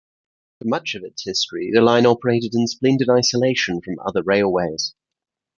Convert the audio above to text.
For much of its history, the line operated in splendid isolation from other railways.